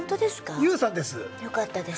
ＹＯＵさんです。